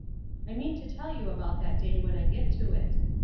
I mean to tell you about that day when I get to it.